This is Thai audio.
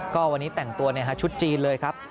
ก็วันนี้แต่งตัวชุดจีนเลยครับ